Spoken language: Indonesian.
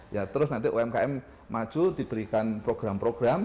ya terus nanti umkm maju diberikan program program